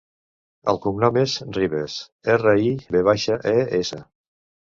El cognom és Rives: erra, i, ve baixa, e, essa.